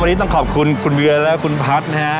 วันนี้ต้องขอบคุณคุณเวียและคุณพัฒน์นะฮะ